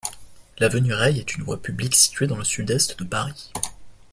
L'avenue Reille est une voie publique située dans le sud-est du de Paris.